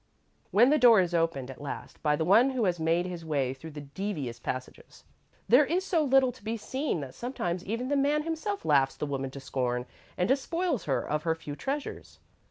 When the door is opened, at last, by the one who has made his way through the devious passages, there is so little to be seen that sometimes even the man himself laughs the woman to scorn and despoils her of her few treasures.